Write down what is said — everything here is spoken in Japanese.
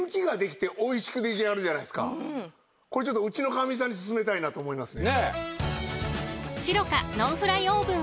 これうちのかみさんに薦めたいなと思いますね。